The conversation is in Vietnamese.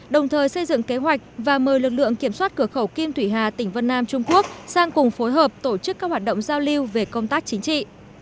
đồng thời xây dựng kế hoạch và mời lực lượng kiểm soát cửa khẩu kim thủy hà tỉnh vân nam trung quốc sang cùng phối hợp tổ chức các hoạt động giao lưu về công tác chính trị